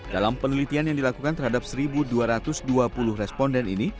dalam penelitian yang dilakukan terhadap satu dua ratus dua puluh responden ini